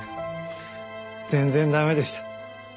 全然駄目でした。